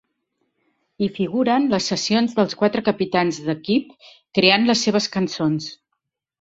Hi figuren les sessions dels quatre capitans d'equip creant les seves cançons.